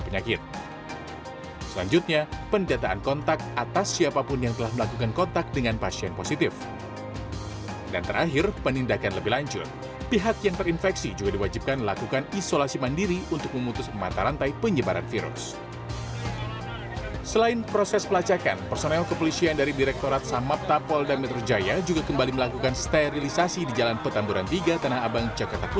pihak penyelenggara mengaku sempat kesulitan menarik warga yang paling dekat dengan lokasi penyelenggaraan maulid nabi dan resepsi pernikahan putri rizik zihab empat belas november lalu